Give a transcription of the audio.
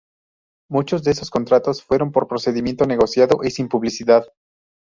Muchos de estos contratos fueron por procedimiento negociado y sin publicidad.